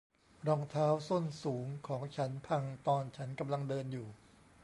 รองเท้าส้นสูงของฉันพังตอนฉันกำลังเดินอยู่